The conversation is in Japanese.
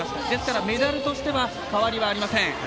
ですから、メダルとしては変わりはありません。